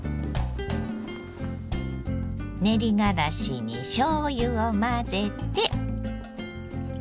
練りがらしにしょうゆを混ぜて。